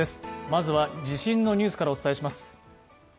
まずは地震のニュースからお伝えします。